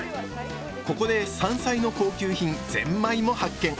ここで山菜の高級品ぜんまいも発見！